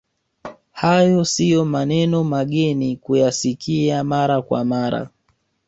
Hayo sio maneno mageni kuyasikia mara kwa mara